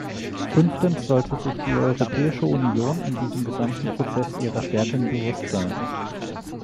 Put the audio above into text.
Fünftens sollte sich die Europäische Union in diesem gesamten Prozess ihrer Stärken bewusst sein.